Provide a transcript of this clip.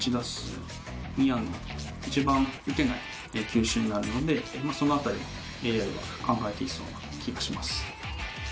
一番打てない球種になるのでその辺りもＡＩは考えていそうな気がします。